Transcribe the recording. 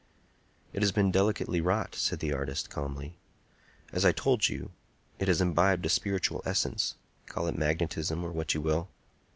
"It has been delicately wrought," said the artist, calmly. "As I told you, it has imbibed a spiritual essence—call it magnetism, or what you will.